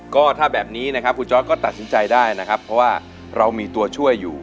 ก็ถ้าแบบนี้นะครับคุณจอร์ดก็ตัดสินใจได้นะครับเพราะว่าเรามีตัวช่วยอยู่